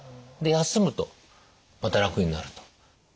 で休むとまた楽になると。